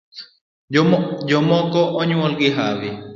Jomoko onyuol gi hawi